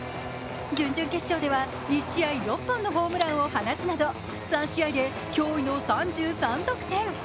準々決勝では１試合６本のホームランを放つなど３試合で驚異の３３得点。